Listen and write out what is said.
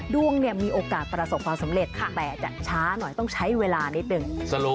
ดวงเนี่ยมีโอกาสประสบความสำเร็จแต่จะช้าหน่อยต้องใช้เวลานิดนึง